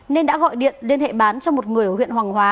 nên đã gọi điện liên hệ bán cho một người ở huyện hoàng hóa